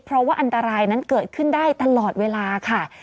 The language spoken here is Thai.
เพราะว่าอันตรายนั้นเกิดขึ้นได้ตลอดเวลาค่ะ